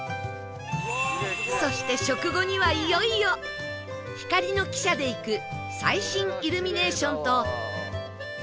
そして食後にはいよいよ光の汽車で行く最新イルミネーションと